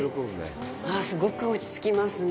すごく落ちつきますね。